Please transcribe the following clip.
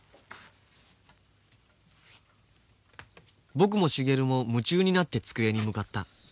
僕も茂も夢中になって机に向かった。